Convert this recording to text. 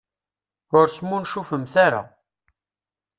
Ur smuncufemt ara.